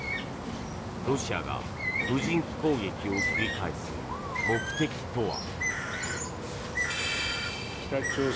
ロシアが無人機攻撃を繰り返す目的とは。